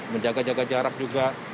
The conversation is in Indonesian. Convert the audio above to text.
menjaga jaga jarak juga